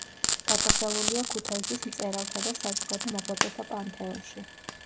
დაკრძალულია ქუთაისის მწერალთა და საზოგადო მოღვაწეთა პანთეონში.